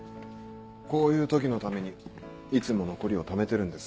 こういう時のためにいつも残りをためてるんです。